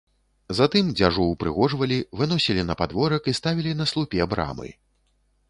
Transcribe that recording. Затым дзяжу ўпрыгожвалі, выносілі на падворак і ставілі на слупе брамы.